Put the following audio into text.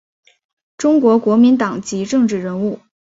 中国国民党籍政治人物。